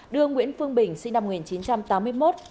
đưa nguyễn phương bình sinh năm một nghìn chín trăm tám mươi một